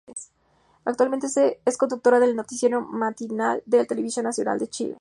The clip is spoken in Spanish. Actualmente es conductora del noticiero matinal de Televisión Nacional de Chile.